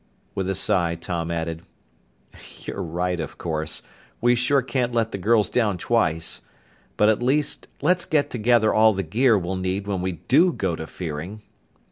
With a sigh, Tom added, "You're right, of course. We sure can't let the girls down twice. But at least let's get together all the gear we'll need when we do go to Fearing."